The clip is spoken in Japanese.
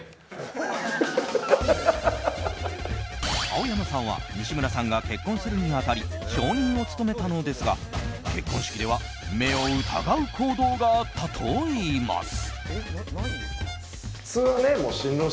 青山さんは西村さんが結婚するにあたり証人を務めたのですが結婚式では目を疑う行動があったといいます。